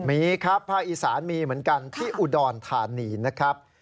มีครับภาคอีสานมีเหมือนกันที่อุดรธานีนะครับ